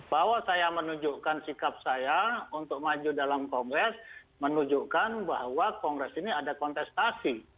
bahwa saya menunjukkan sikap saya untuk maju dalam kongres menunjukkan bahwa kongres ini ada kontestasi